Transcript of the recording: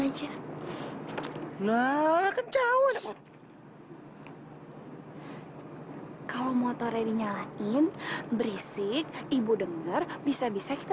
sayang belajar kamu daftar yang types asian diume ringan